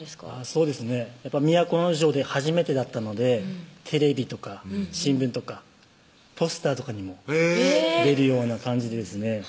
そうですね都城で初めてだったのでテレビとか新聞とかポスターとかにも出るような感じでですね